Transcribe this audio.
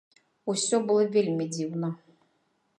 Усё было вельмі дзіўна.